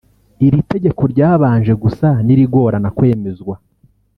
Iri tegeko ryabanje gusa n’irigorana kwemezwa